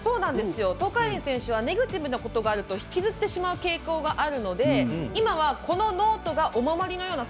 東海林選手はネガティブなことがあると引きずってしまう傾向があるので今はこのノートがお守りのような存在になっているということです。